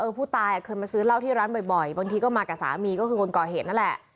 ผู้ตายเคยมาซื้อเหล้าที่ร้านบ่อยบางทีก็มากับสามีก็คือคนก่อเหตุนั่นแหละ